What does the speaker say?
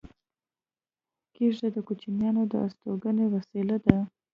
کېږدۍ د کوچیانو د استوګنې وسیله ده